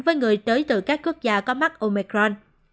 với người tới từ các quốc gia có mắc omecron